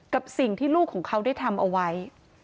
กับสิ่งที่ลูกของเขาได้ทำเอาไว้